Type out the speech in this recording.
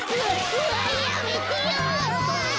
うわやめてよ！